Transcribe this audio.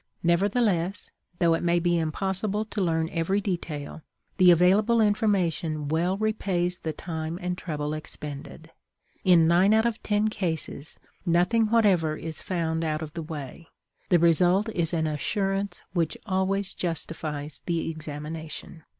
Nevertheless, though it may be impossible to learn every detail, the available information well repays the time and trouble expended. In nine out of ten cases nothing whatever is found out of the way; the result is an assurance which always justifies the examination.